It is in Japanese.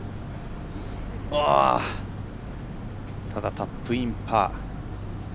タップインパー。